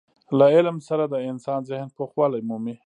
له علم سره د انسان ذهن پوخوالی مومي.